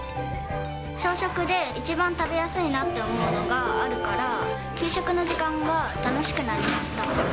小食で、一番食べやすいなって思うのがあるから、給食の時間が楽しくなりました。